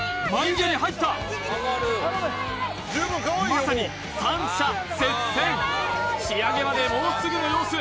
眉毛に入ったまさに３者接戦仕上げまでもうすぐの様子